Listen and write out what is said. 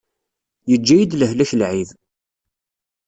Yeǧǧa-yi-d lehlak lɛib.